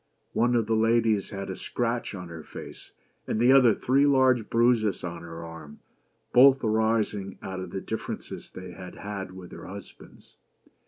One of these ladies had a scratch on her face, and the other, three large bruises on her arm ; both arising out of differences they had had with their husbands.